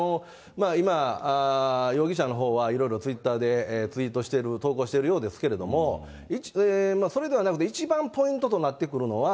今、容疑者のほうはいろいろツイッターでツイートしてる、投稿しているようですけれども、それではなくて、一番ポイントとなってくるのは、